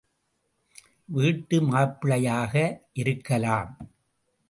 வீட்டு மாப்பிள்ளையாக இருக்கலாம்.